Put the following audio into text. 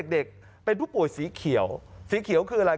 เด็กเป็นผู้ป่วยสีเขียวสีเขียวคืออะไร